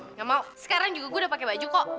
nggak mau sekarang juga gue udah pakai baju kok